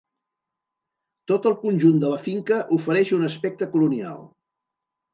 Tot el conjunt de la finca ofereix un aspecte colonial.